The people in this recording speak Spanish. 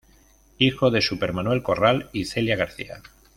Hijo de Super Manuel Corral y Celia García.